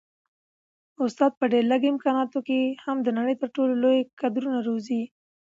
استاد په ډېر لږ امکاناتو کي هم د نړۍ تر ټولو لوی کدرونه روزي.